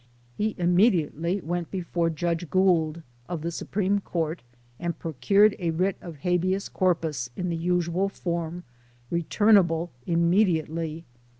He im mediately went before Judge Gould, of the Supreme Court, and procured a writ of habeas corpus in the usual form, returnable immediately.